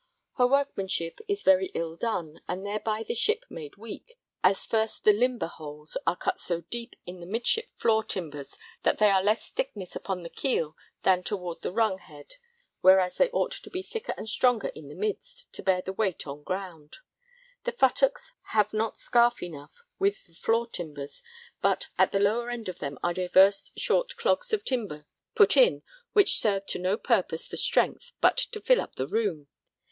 Her workmanship is very ill done, and thereby the ship made weak, as first the limber holes are cut so deep in the midship floor timbers that they are less thickness upon the keel than toward the rung head; whereas they ought to be thicker and stronger in the midst, to bear the weight on ground. The futtocks have not scarph enough with the floor timbers, but at the lower end of them are divers short clogs of timber put in which serve to no purpose for strength but to fill up the room.